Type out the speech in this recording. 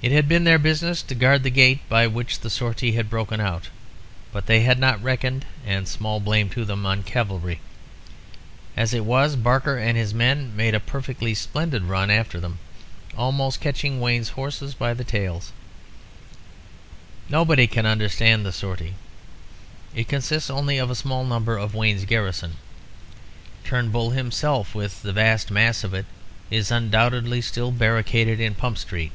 It had been their business to guard the gate by which the sortie had broken out; but they had not reckoned, and small blame to them, on cavalry. As it was, Barker and his men made a perfectly splendid run after them, almost catching Wayne's horses by the tails. "Nobody can understand the sortie. It consists only of a small number of Wayne's garrison. Turnbull himself, with the vast mass of it, is undoubtedly still barricaded in Pump Street.